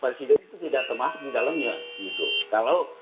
presiden itu tidak termasuk di dalamnya gitu kalau